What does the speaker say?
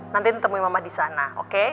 nanti temui mama disana oke